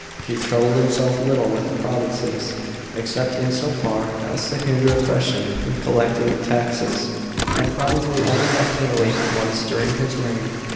He troubled himself little with the provinces, except in so far as to hinder oppression in collecting the taxes, and probably only left Italy once during his reign.